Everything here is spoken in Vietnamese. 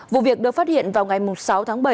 vụ việc được phát hiện vào ngày sáu tháng bảy